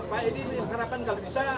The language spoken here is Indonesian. pak edi mengharapkan kalau bisa